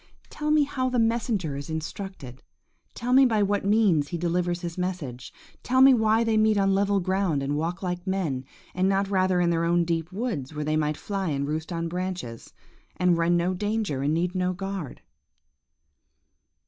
Tell me how the messenger is instructed. Tell me by what means he delivers his message. Tell me why they meet on level ground and walk like men, and not rather in their own deep woods, where they might fly and roost on branches, and run no danger, and need no guard?